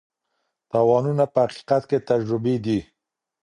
تاوانونه په حقیقت کې تجربې دي.